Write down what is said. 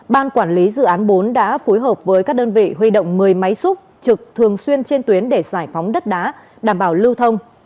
ban quản lý dự án bốn đã phối hợp với các đơn vị huy động một mươi máy xúc trực thường xuyên trên tuyến để giải phóng đất đá đảm bảo lưu thông